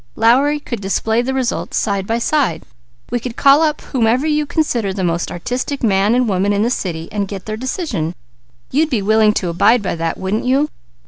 Lowry could display the results side by side. He could call up whomever you consider the most artistic man and woman in the city and get their decision. You'd be willing to abide by that, wouldn't you?"